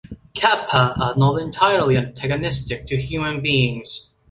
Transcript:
"Kappa" are not entirely antagonistic to human beings.